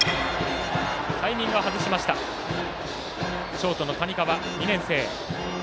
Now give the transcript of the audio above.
ショートの谷川、２年生。